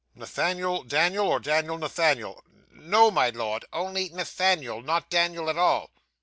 'Nathaniel Daniel, or Daniel Nathaniel?' 'No, my Lord, only Nathaniel not Daniel at all.